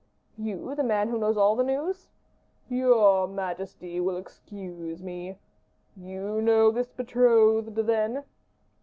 "You, the man who knows all the news?" "Your majesty will excuse me. You know this betrothed, then?"